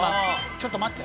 ちょっと待って。